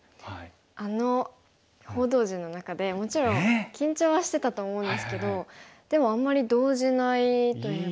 あの報道陣の中でもちろん緊張はしてたと思うんですけどでもあんまり動じないというか。